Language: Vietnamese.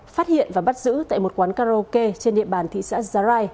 phát hiện và bắt giữ tại một quán karaoke trên địa bàn thị xã zaray